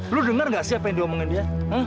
lu dengar gak sih apa yang diomongin dia